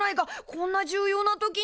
こんな重要な時に。